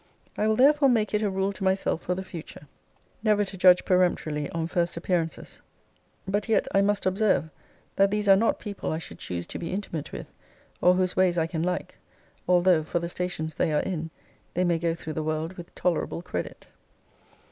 I will therefore make it a rule to myself for the future Never to judge peremptorily on first appearances: but yet I must observe that these are not people I should choose to be intimate with, or whose ways I can like: although, for the stations they are in, they may go through the world with tolerable credit.